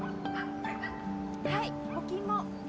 はい募金も。